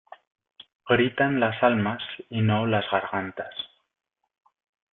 Gritan las almas y no las gargantas.